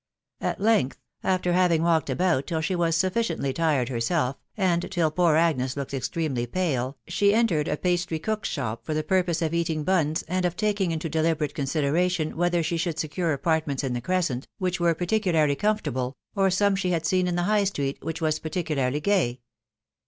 At length;. flSUbsv having; walked about till, she was sufficiently timd herself, and titi poor Agues/ looked extremely pale, she entered a, pastry cook's, shop for the purpose of eating buns, and of taking into deliberate consideration, whether she should secure apartments iir the; Crescent* which were particularly comfortable, or some she had' seen in: the High Stoegt,. which were particularly gay.